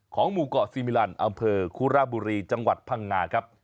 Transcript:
หมู่เกาะซีมิลันอำเภอคุระบุรีจังหวัดพังงาครับ